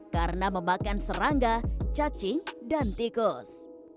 karena memakan serangga cacing dan tikus